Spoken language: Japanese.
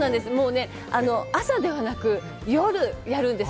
朝ではなく、夜やるんです。